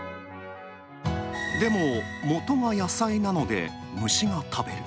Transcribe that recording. でも、元が野菜なので、虫が食べる。